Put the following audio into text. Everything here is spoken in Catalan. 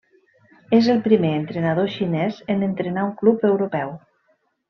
És el primer entrenador xinès en entrenar un club europeu.